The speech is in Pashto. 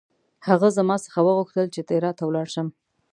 هغه زما څخه وغوښتل چې تیراه ته ولاړ شم.